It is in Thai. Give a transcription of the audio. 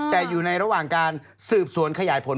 แต่อยู่ในระหว่างการสืบสวนขยายผล